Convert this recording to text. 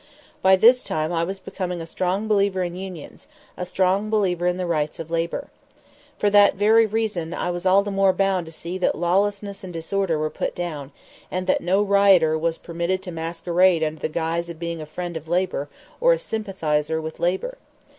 By this time I was becoming a strong believer in labor unions, a strong believer in the rights of labor. For that very reason I was all the more bound to see that lawlessness and disorder were put down, and that no rioter was permitted to masquerade under the guise of being a friend of labor or a sympathizer with labor.